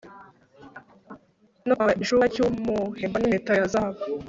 no kwambara igishura cy'umuhemba n'impeta ya zahabu